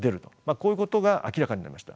こういうことが明らかになりました。